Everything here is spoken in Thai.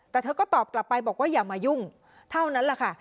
แต่เธอก็ตอบกลับไปบอกว่าอย่ามายุ่งเท่านั้นแหละค่ะ